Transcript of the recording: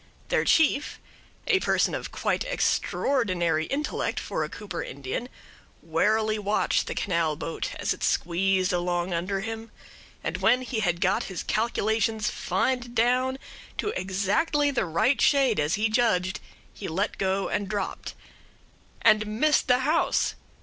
Their chief, a person of quite extraordinary intellect for a Cooper Indian, warily watched the canal boat as it squeezed along under him, and when he had got his calculations fined down to exactly the right shade, as he judged, he let go and dropped. And missed the house!